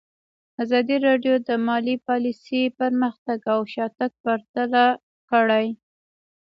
ازادي راډیو د مالي پالیسي پرمختګ او شاتګ پرتله کړی.